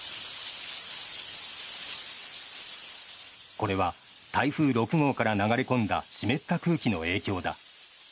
これは台風６号から流れ込んだ湿った空気の影響だ。